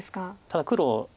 ただ黒